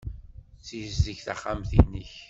Ssizdeg taxxamt-nnek.